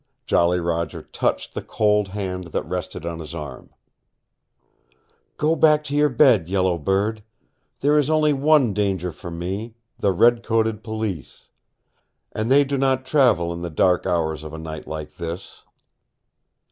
Jolly Roger touched the cold hand that rested on his arm. "Go back to your bed, Yellow Bird. There is only one danger for me the red coated police. And they do not travel in the dark hours of a night like this."